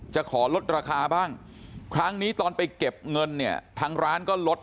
จะขอลดราคาบ้างครั้งนี้ตอนไปเก็บเงินเนี่ยทางร้านก็ลด